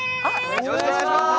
よろしくお願いします。